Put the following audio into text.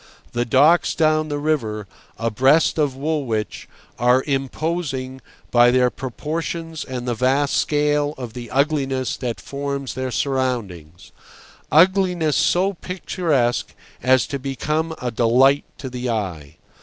The docks down the river, abreast of Woolwich, are imposing by their proportions and the vast scale of the ugliness that forms their surroundings—ugliness so picturesque as to become a delight to the eye.